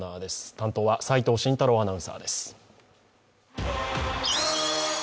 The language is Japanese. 担当は齋藤慎太郎アナウンサーです。